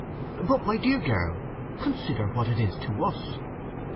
"But my dear girl, consider what it is to us!"